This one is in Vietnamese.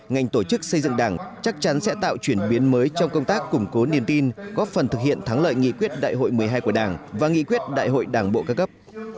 ngành tổ chức xây dựng đảng chắc chắn sẽ tạo chuyển biến mới trong công tác củng cố niềm tin góp phần thực hiện thắng lợi nghị quyết đại hội một mươi hai của đảng và nghị quyết đại hội đảng bộ các cấp